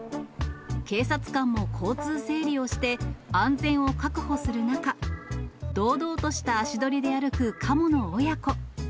警察官も交通整理をして、安全を確保する中、堂々とした足取りで歩くカモの親子。